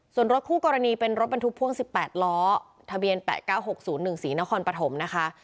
ส่วนรถคู่กรณีเป็นรถบรรทุกพ่วง๑๘ล้อทะเบียน๘๙๖๐๑๔นครปฐมนะคะ